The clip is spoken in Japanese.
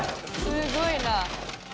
すごいなあ。